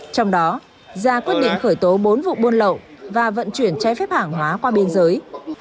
trong đó ra quyết định khởi tố bốn vụ buôn lậu và vận chuyển trái phép hàng hóa qua biên giới